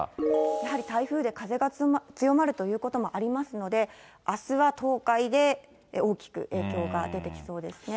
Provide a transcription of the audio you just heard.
やはり台風で風が強まるということもありますので、あすは東海で大きく影響が出てきそうですね。